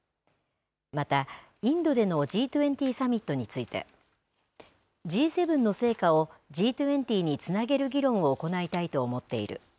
また、インドでのＧ２０サミットについて、Ｇ７の成果をＧ２０につなげる議論を行いたいと思っている。